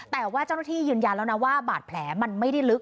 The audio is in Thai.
แต่ว่าเจ้าหน้าที่ยืนยันแล้วนะว่าบาดแผลมันไม่ได้ลึก